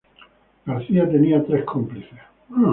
García tenía tres cómplices.